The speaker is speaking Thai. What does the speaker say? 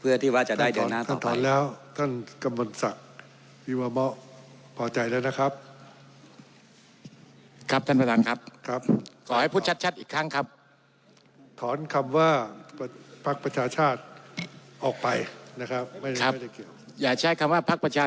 เพื่อที่ว่าจะได้เดือนหน้าต่อไป